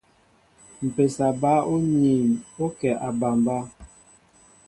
Mpésa ɓă oniin o kɛ a aɓambá.